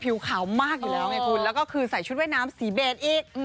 ขาวมากอยู่แล้วไงคุณแล้วก็คือใส่ชุดว่ายน้ำสีเบสอีก